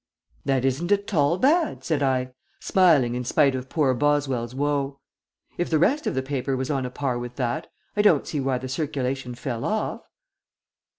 "That isn't at all bad," said I, smiling in spite of poor Boswell's woe. "If the rest of the paper was on a par with that I don't see why the circulation fell off."